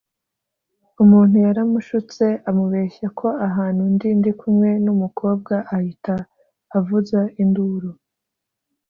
umuntu yaramushutse amubeshya ko ahantu ndi ndi kumwe n’umukobwa ahita avuza induru